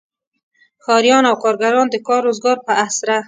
ښاریان او کارګران د کار روزګار په اسره.